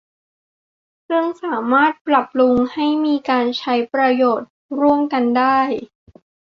ซึ่งสามารถปรับปรุงให้มีการใช้ประโยชน์ร่วมกันได้